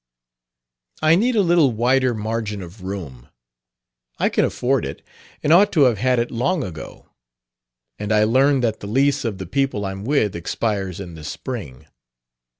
"I need a little wider margin of room. I can afford it, and ought to have had it long ago. And I learn that the lease of the people I'm with expires in the spring.